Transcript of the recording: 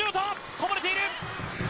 こぼれている！